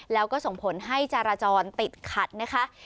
แล้วก็ส่งผลให้จราจรติดขัดนะคะ